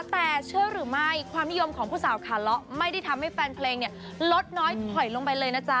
แต่เชื่อหรือไม่ความนิยมของผู้สาวขาเลาะไม่ได้ทำให้แฟนเพลงเนี่ยลดน้อยถอยลงไปเลยนะจ๊ะ